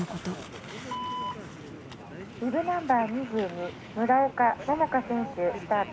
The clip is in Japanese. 「ビブナンバー２２村岡桃佳選手スタート」。